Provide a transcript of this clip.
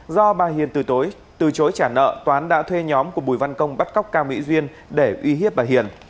do bà hiền từ tối từ chối trả nợ toán đã thuê nhóm của bùi văn công bắt cóc cao mỹ duyên để uy hiếp bà hiền